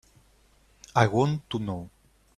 I want to know.